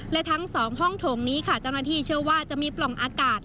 และทั้งสองห้องโถงนี้ค่ะเจ้าหน้าที่เชื่อว่าจะมีปล่องอากาศ